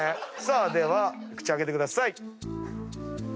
では口開けてください。